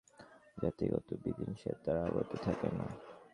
জাতিগত বিধি-নিষেধে তাঁরা আবদ্ধ থাকেন না।